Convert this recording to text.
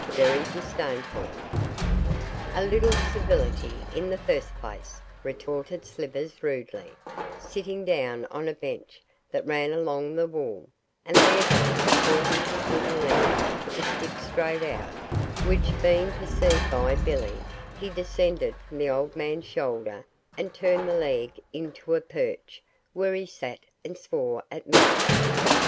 very disdainfully. 'A little civility in the first place,' retorted Slivers, rudely, sitting down on a bench that ran along the wall, and thereby causing his wooden leg to stick straight out, which, being perceived by Billy, he descended from the old man's shoulder and turned the leg into a perch, where he sat and swore at Martha.